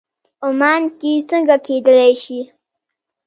عمان کې څنګه کېدلی شي.